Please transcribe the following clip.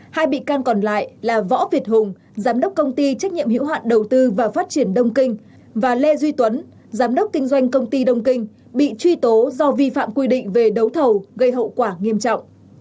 hai bị can còn lại là võ việt hùng giám đốc công ty trách nhiệm hữu hạn đầu tư và phát triển đông kinh và lê duy tuấn giám đốc kinh doanh công ty đông kinh bị truy tố do vi phạm quy định về đấu thầu gây hậu quả nghiêm trọng